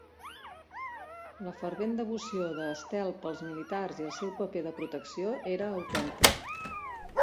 La fervent devoció de Stelle pels militars i el seu paper de protecció era autèntic.